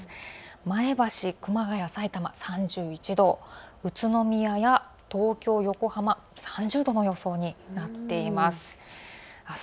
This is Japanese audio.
前橋、熊谷、さいたま３１度、宇都宮、東京、横浜３０度の予想になっています。